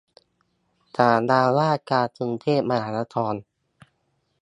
ศาลาว่าการกรุงเทพมหานคร